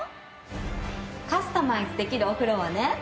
カスタマイズできるお風呂はね。